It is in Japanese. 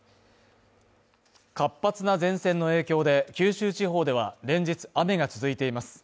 活発な前線の影響で、九州地方では連日雨が続いています。